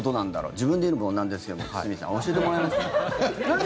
自分で言うのもなんですけど堤さん、教えてもらえますか？